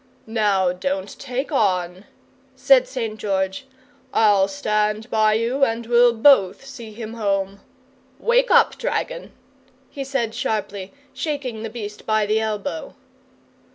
"Now don't take on," said St. George. "I'll stand by you, and we'll BOTH see him home. Wake up, dragon!" he said sharply, shaking the beast by the elbow.